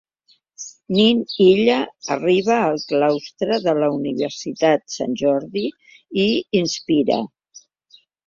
Nil Illa arriba al claustre de la Universitat Sant Jordi i inspira.